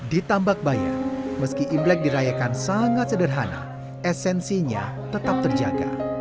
ditambak bayar meski imlek dirayakan sangat sederhana esensinya tetap terjaga